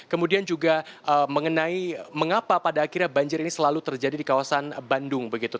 kemudian juga mengenai mengapa pada akhirnya banjir ini selalu terjadi di kawasan bandung begitu